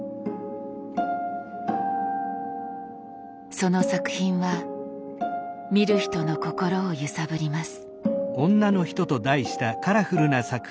その作品は見る人の心を揺さぶります。